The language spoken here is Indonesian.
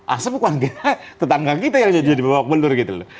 asep bukan kita tetangga kita yang jadi bawa bawa belur gitu loh